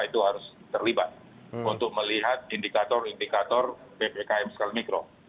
itu harus terlibat untuk melihat indikator indikator ppkm skala mikro